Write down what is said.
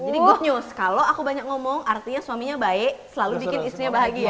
jadi good news kalo aku banyak ngomong artinya suaminya baik selalu bikin istrinya bahagia